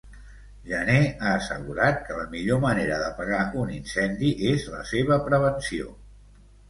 Jané ha assegurat que la millor manera d'apagar un incendi es la seva prevenció.